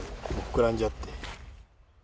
膨らんじゃって。